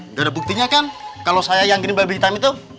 nggak ada buktinya kan kalau saya yang gini babi hitam itu